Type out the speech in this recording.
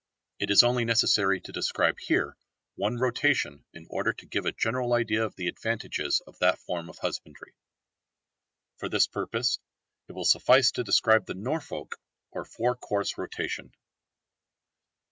It is only necessary to describe here one rotation in order to give a general idea of the advantages of that form of husbandry. For this purpose it will suffice to describe the Norfolk or four course rotation.